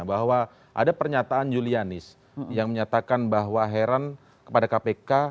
bahwa ada pernyataan julianis yang menyatakan bahwa heran kepada kpk